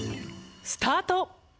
スタート！